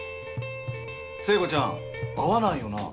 聖子ちゃん会わないよな。